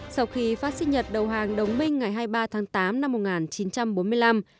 sau khi phát xít nhật đầu hàng đồng minh ngày hai mươi ba tháng tám năm một nghìn chín trăm bốn mươi năm